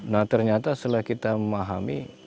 nah ternyata setelah kita memahami